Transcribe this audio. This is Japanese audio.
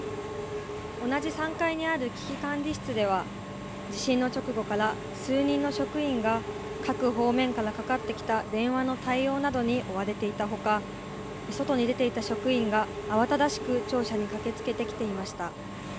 同じ３階にある危機管理室では地震の直後から、数人の職員が各方面からかかってきた電話の対応などに追われていたほか外に出ていた職員が慌ただしく庁舎に駆けつけていました。